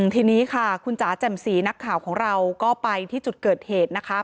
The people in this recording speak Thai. ทีนี้ค่ะคุณจ๋าแจ่มสีนักข่าวของเราก็ไปที่จุดเกิดเหตุนะคะ